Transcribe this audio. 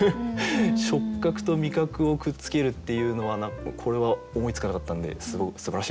触覚と味覚をくっつけるっていうのはこれは思いつかなかったんですごくすばらしいと思いました。